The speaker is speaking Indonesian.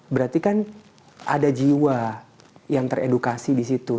berarti kan ada jiwa yang teredukasi disitu